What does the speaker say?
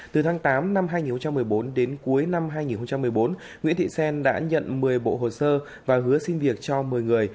từ tháng tám năm hai nghìn một mươi bốn đến cuối năm hai nghìn một mươi bốn nguyễn thị xen đã nhận một mươi bộ hồ sơ và hứa xin việc cho một mươi người